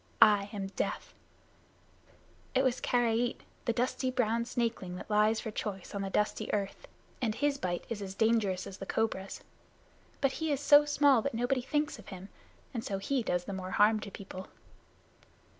I am Death!" It was Karait, the dusty brown snakeling that lies for choice on the dusty earth; and his bite is as dangerous as the cobra's. But he is so small that nobody thinks of him, and so he does the more harm to people.